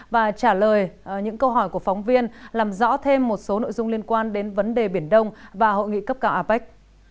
và trả lời những câu hỏi của phóng viên làm rõ thêm một số nội dung liên quan đến vấn đề biển đông và hội nghị cấp cao apec